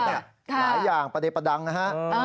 หลายอย่างประเด็นประดังนะฮะ